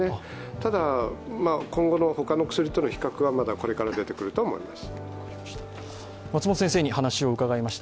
ただ、今後の他の薬との比較はまだこれから出てくるとは思います。